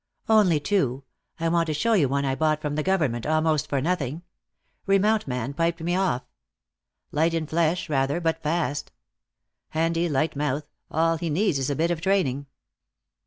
"Only two. I want to show you one I bought from the Government almost for nothing. Remount man piped me off. Light in flesh, rather, but fast. Handy, light mouth all he needs is a bit of training."